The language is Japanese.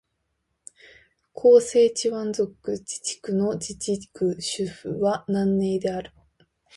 広西チワン族自治区の自治区首府は南寧である